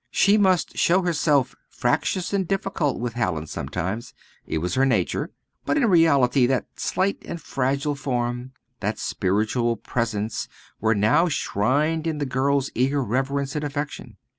She must show herself fractious and difficult with Hallin sometimes; it was her nature. But in reality, that slight and fragile form, that spiritual presence were now shrined in the girl's eager reverence and affection.